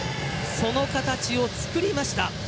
その形を作りました。